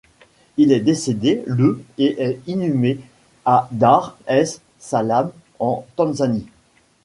Il est décédé le et est inhumé à Dar es Salam en Tanzanie.